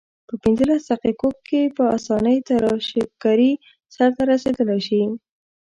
په پنځلس دقیقو کې په اسانۍ تراشکاري سرته رسیدلای شي.